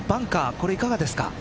これいかがですか。